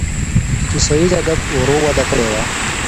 کیسه ییز ادب ورو وده کړې ده.